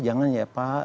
jangan ya pak